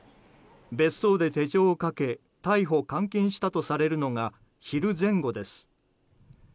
別荘で手錠をかけ逮捕、監禁したとされるのが昼前後です。